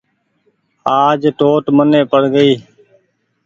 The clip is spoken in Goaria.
آج ٽوٽ مني پڙ گئي